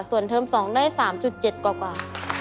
ส่วนเทอม๒ได้๓๗กว่า